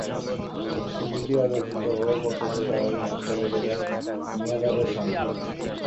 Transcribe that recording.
কিন্তু লিলি অযাচিতভাবে পথে এসে দাঁড়ালে ধাক্কা লেগে যায় মিয়াঁদাদের সঙ্গে।